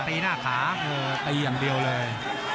ตีหน้าขาตีอย่างเดียวเลย